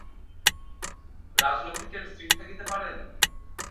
রাজলক্ষ্মী কি আর স্থির থাকিতে পারেন।